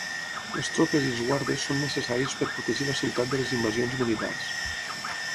Les tropes i els guardes són necessaris per protegir la ciutat de les invasions militars.